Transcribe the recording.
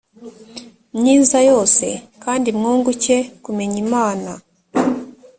myiza yose kandi mwunguke kumenya imana